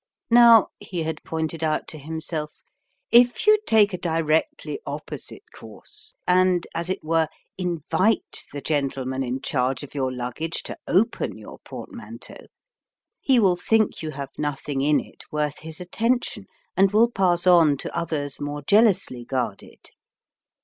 Now, he had pointed out to himself, if you take a directly opposite course, and, as it were, invite the gentleman in charge of your luggage to open your portmanteau, he will think you have nothing in it worth his attention, and will pass on to others more jealously guarded.